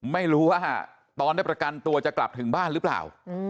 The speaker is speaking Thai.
ไม่รู้ว่าตอนได้ประกันตัวจะกลับถึงบ้านหรือเปล่า